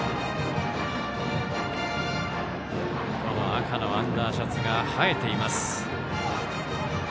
赤のアンダーシャツが映えています。